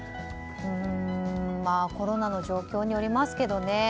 うーんコロナの状況によりますけどね。